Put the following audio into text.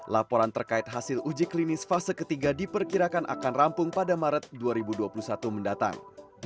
laporan terkait hasil uji klinis fase ketiga diperkirakan akan rampung pada maret dua ribu dua puluh satu mendatang